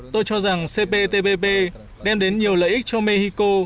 tôi cho rằng cptpp đem đến nhiều lợi ích cho mexico